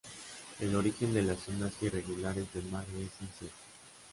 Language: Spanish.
El origen de las zonas irregulares de mare es incierto.